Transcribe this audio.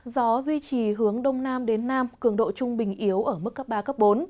gió duy trì hướng đông nam đến nam cường độ trung bình yếu ở mức cấp ba cấp bốn